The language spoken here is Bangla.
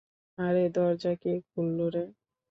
আরে, দরজা কে খুললো রে?